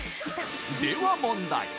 では問題